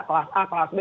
kelas a kelas b